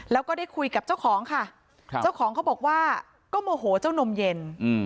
แล้วก็ได้คุยกับเจ้าของค่ะเจ้าของเขาบอกว่าก็โมโหเจ้านมเย็น